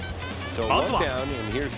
まずは。